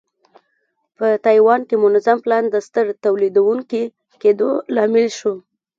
په تایوان کې منظم پلان د ستر تولیدوونکي کېدو لامل شو.